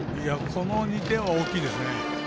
この２点は大きいですね。